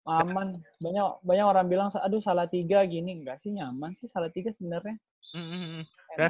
aman banyak orang bilang aduh salah tiga gini enggak sih nyaman sih salah tiga sebenarnya